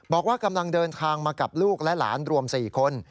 บอกว่ากำลังเดินทางมากับลูกและหลานรวม๔คน